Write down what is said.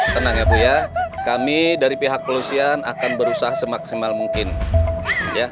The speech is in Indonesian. tenang ya bu ya kami dari pihak polisian akan berusaha semaksimal mungkin ya